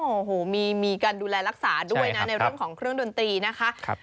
โอ้โหมีการดูแลรักษาด้วยนะในเรื่องของเครื่องดนตรีนะคะ